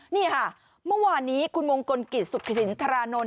นี่ค่ะเมื่อวานนี้คุณมงคลกิจสุขสินทรานนท์